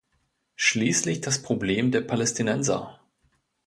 Schließlich das Problem der Palästinenser.